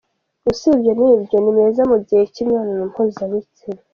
Usibye n’ibyo nimeza mu gihe cy’imibonano mpuzabitsina.